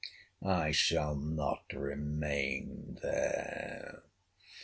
I shall not remain there.